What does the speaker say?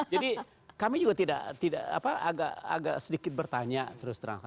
jadi kami juga tidak tidak apa agak sedikit bertanya terus terang